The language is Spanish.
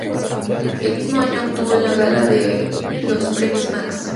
El mismo año actúa en la Gala de los Premios Max.